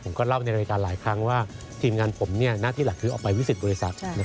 เล่าในรายการหลายครั้งว่าทีมงานผมหน้าที่หลักคือออกไปวิสิตบริษัท